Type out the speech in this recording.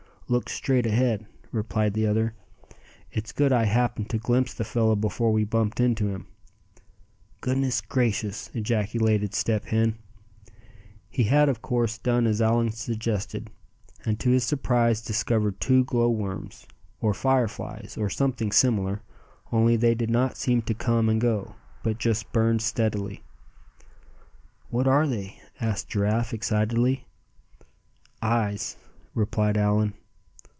"Look straight ahead," replied the other. "It's good I happened to glimpse the fellow before we bumped into him." "Goodness gracious!" ejaculated Step Hen. He had of course done as Allan suggested, and to his surprise discovered two glow worms, or fire flies, or something similar, only they did not seem to come and go, but just burned steadily. "What are they?" asked Giraffe, excitedly. "Eyes," replied Allan.